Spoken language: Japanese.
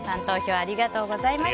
ありがとうございます。